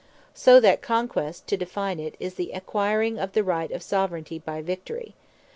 So that Conquest (to define it) is the Acquiring of the Right of Soveraignty by Victory.